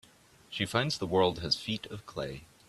She finds the world has feet of clay.